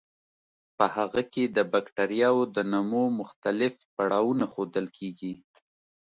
په هغې کې د بکټریاوو د نمو مختلف پړاوونه ښودل کیږي.